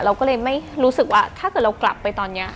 เราก็เลยไม่รู้สึกว่าถ้าเกิดเรากลับไปตอนนี้